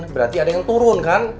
berarti ada yang turun kan